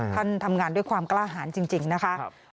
ท่านทำงานด้วยความกล้าหารจริงนะคะ